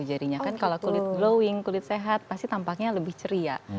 jadinya kan kalau kulit glowing kulit sehat pasti tampaknya lebih ceria